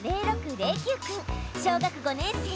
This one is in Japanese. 小学５年生。